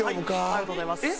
ありがとうございます。